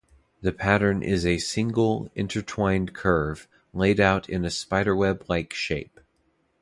The Pattern is a single, intertwined curve, laid out in a spiderweb-like shape.